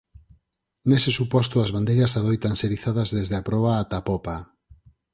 Nese suposto as bandeiras adoitan ser izadas desde a proa ata a popa.